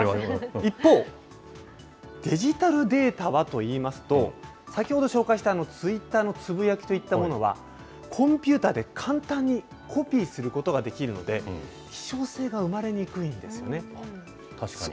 一方、デジタルデータはといいますと、先ほど紹介したツイッターのつぶやきといったものは、コンピューターで簡単にコピーすることができるので、希少性が生確かに。